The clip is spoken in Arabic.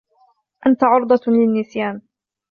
أنت عرضة للنسيان.